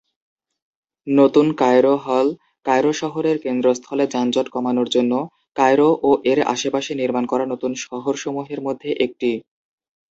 নতুন কায়রো হল কায়রো শহরের কেন্দ্রস্থলে যানজট কমানোর জন্য কায়রো ও এর আশেপাশে নির্মাণ করা নতুন শহরসমূহের মধ্যে একটি।